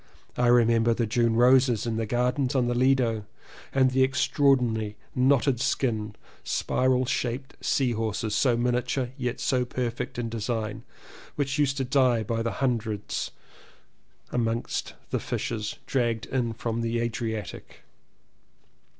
I remember the June roses in the gardens on the Lido and the extraordinary knotted skinned, spiral shaped sea horses — so miniature yet so perfect in design — which used to die by hundreds amongst the fishes dragged in from the Adriatic.